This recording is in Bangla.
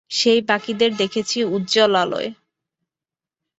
সেই বাকিদেরই দেখেছি উজ্জ্বল আলোয়।